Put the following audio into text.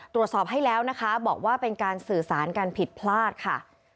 ตรวจสอบให้แล้วนะคะบอกว่าเป็นการสื่อสารกันผิดพลาดค่ะ